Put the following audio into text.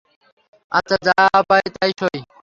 আচ্ছা, যা পাই তাই সই।